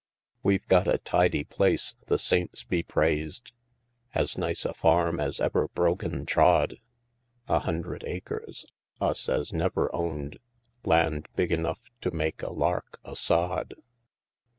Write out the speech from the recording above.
We've got a tidy place, the saints be praised! As nice a farm as ever brogan trod, A hundred acres us as never owned Land big enough to make a lark a sod!"